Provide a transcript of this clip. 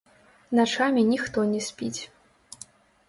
Начамі ніхто не спіць.